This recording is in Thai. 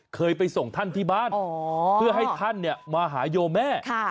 เคยไปส่งท่านที่บ้านเพื่อให้ท่านมาหาโยแม่